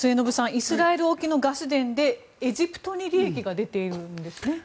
イスラエル沖のガス田でエジプトに利益が出ているんですね。